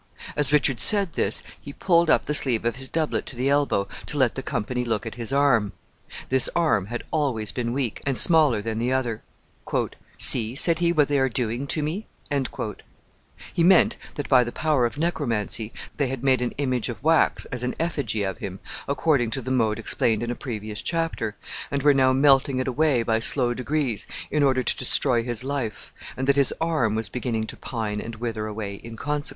As Richard said this, he pulled up the sleeve of his doublet to the elbow, to let the company look at his arm. This arm had always been weak, and smaller than the other. "See," said he, "what they are doing to me." He meant that by the power of necromancy they had made an image of wax as an effigy of him, according to the mode explained in a previous chapter, and were now melting it away by slow degrees in order to destroy his life, and that his arm was beginning to pine and wither away in consequence.